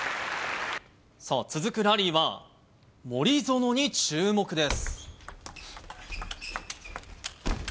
続くラリーは森薗に注目です。